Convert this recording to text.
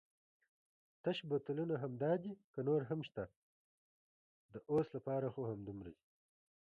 تش بوتلونه همدای دي که نور هم شته؟ د اوس لپاره خو همدومره دي.